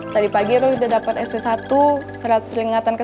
tadi pagi roy udah dapet sp satu serat peringatan ke satu